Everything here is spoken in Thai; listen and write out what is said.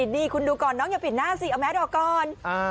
นี่คุณดูก่อนน้องอย่าปิดหน้าสิเอาแมสออกก่อน